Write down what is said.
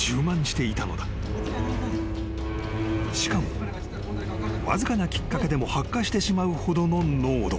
［しかもわずかなきっかけでも発火してしまうほどの濃度］